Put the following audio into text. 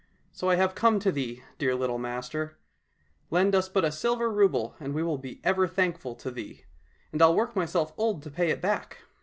So I have come to thee, dear little master ; lend us but a silver rouble and we will be ever thankful to thee, and I'll work myself old to pay it back."